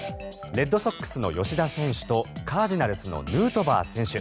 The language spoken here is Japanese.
レッドソックスの吉田選手とカージナルスのヌートバー選手。